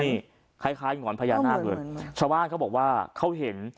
นี่คล้ายหงอนพญานาคเลยชาวบ้านเขาบอกว่าเขาเห็น